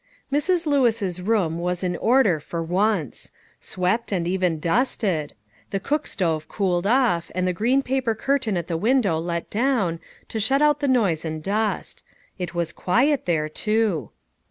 Mrs. Lewis's room was in order for once; swept, and even dusted; the cook stove cooled off, and the green paper curtain at the window let down, to shut out the noise and dust; it was quiet there too.